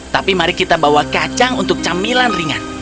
tapi mari kita bawa kacang untuk camilan ringan